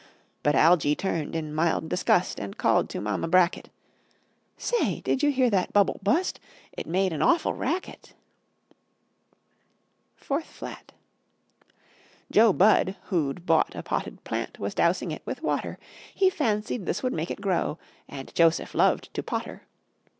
But Algy turned in mild disgust, And called to Mama Bracket, "Say, did you hear that bubble bu'st? It made an awful racket!" [Illustration: THIRD FLAT] FOURTH FLAT Jo Budd, who'd bought a potted plant, Was dousing it with water. He fancied this would make it grow, And Joseph loved to potter.